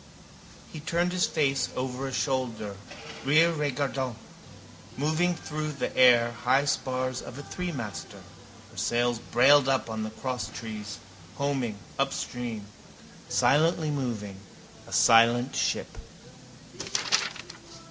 He turned his face over a shoulder, rere regardant. Moving through the air high spars of a threemaster, her sails brailed up on the crosstrees, homing, upstream, silently moving, a silent ship.